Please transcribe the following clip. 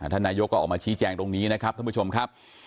ท่านนายกก็ออกมาชี้แจงตรงนี้นะครับท่านผู้ชมครับ